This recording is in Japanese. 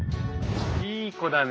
いい子だね。